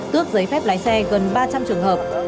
tước giấy phép lái xe gần ba trăm linh trường hợp